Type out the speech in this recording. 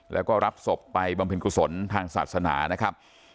แล้วก็รับศพไปบำพินครุฑศลทางศาสนา